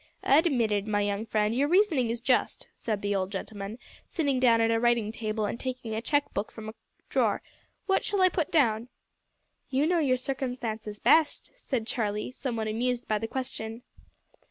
"Admitted, my young friend, your reasoning is just," said the old gentleman, sitting down at a writing table and taking a cheque book from a drawer; "what shall I put down?" "You know your circumstances best," said Charlie, somewhat amused by the question.